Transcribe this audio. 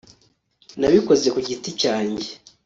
nabikoze ku giti cyanjye